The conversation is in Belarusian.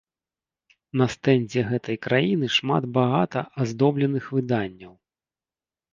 На стэндзе гэтай краіны шмат багата аздобленых выданняў.